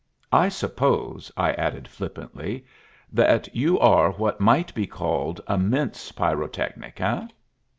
I suppose," I added flippantly, "that you are what might be called a mince pyrotechnic, eh?"